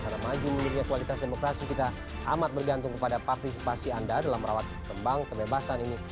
karena maju menuju ke kualitas demokrasi kita amat bergantung kepada partisipasi anda dalam merawat kembang kebebasan ini